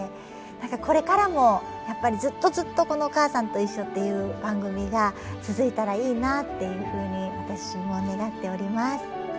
これからもやっぱりずっとずっとこの「おかあさんといっしょ」っていう番組が続いたらいいなっていうふうに私も願っております。